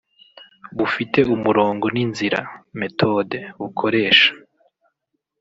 bufite umurongo n’inzira (méthode) bukoresha